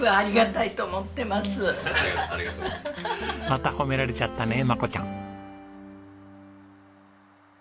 また褒められちゃったねマコちゃん。